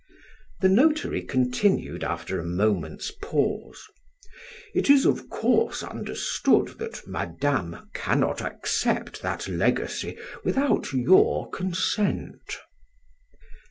The notary continued after a moment's pause: "It is of course understood that Madame cannot accept that legacy without your consent."